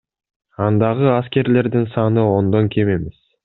Андагы аскерлердин саны ондон кем эмес.